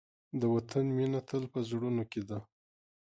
د وطن مینه تل په زړونو کې ده.